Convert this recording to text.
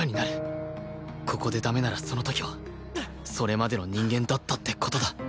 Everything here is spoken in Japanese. ここで駄目ならその時はそれまでの人間だったって事だ